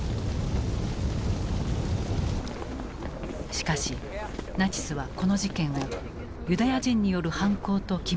しかしナチスはこの事件をユダヤ人による犯行と決めつけた。